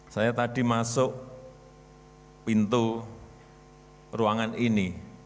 saya tadi masuk pintu ruangan ini